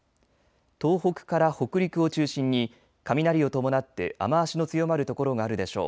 東北から北陸を中心に雷を伴って雨足の強まる所があるでしょう。